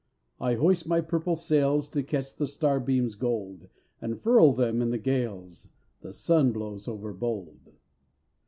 I hoist my purple sails To catch the starbeam's gold, And furl them in the gales The sun blows overbold.